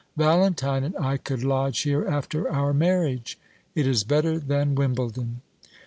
Valentine and I could lodge here after our marriage. It is better than Wimbledon.